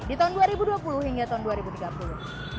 di tahun dua ribu dua puluh hingga tahun dua ribu tiga puluh